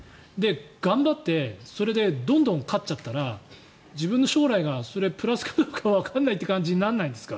頑張ってそれでどんどん勝っちゃったら自分の将来がプラスかどうかわからないという感じにならないんですか。